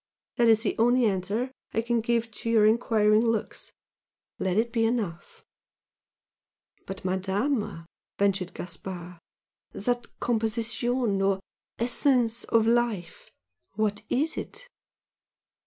that is the only answer I can give to your enquiring looks! let it be enough!" "But, Madama" ventured Gaspard "that composition or essence of Life! what is it?"